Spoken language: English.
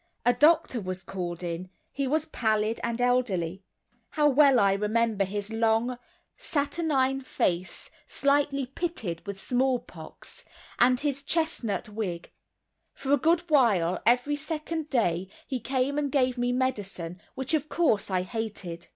A doctor was called in, he was pallid and elderly. How well I remember his long saturnine face, slightly pitted with smallpox, and his chestnut wig. For a good while, every second day, he came and gave me medicine, which of course I hated.